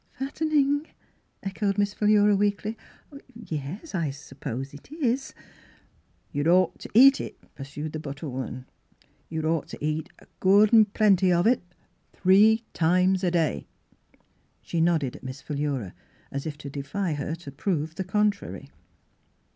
"Fattening?" echoed Miss Philura weakly. " Yes, I suppose it is." " You'd ought to eat it," pursued the butter woman, " you'd ought to eat a good an' plenty of it, three times a day." She nodded at Miss Philura, as if to defy her to prove the contrary.